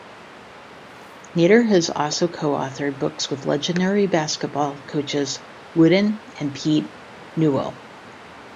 Nater has also co-authored books with legendary basketball coaches Wooden and Pete Newell.